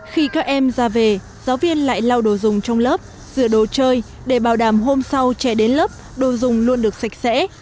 khi các em ra về giáo viên lại lau đồ dùng trong lớp rửa đồ chơi để bảo đảm hôm sau trẻ đến lớp đồ dùng luôn được sạch sẽ